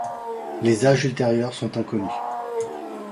Les Âges ultérieurs sont inconnus.